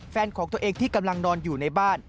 แฟนของตัวเองที่กำลังนอนอยู่ในบ้าน